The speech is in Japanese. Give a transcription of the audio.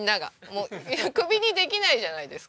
もうクビにできないじゃないですか。